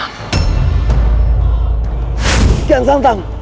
aku akan menolongmu